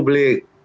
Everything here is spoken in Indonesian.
maksudnya yang maju